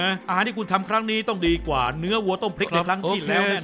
อาหารที่คุณทำครั้งนี้ต้องดีกว่าเนื้อวัวต้มพริกในครั้งที่แล้วแน่น